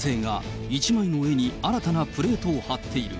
男性が１枚の絵に新たなプレートを貼っている。